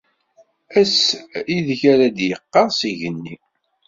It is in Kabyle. Ass ideg ara d-yeqqeṛṣ igenni.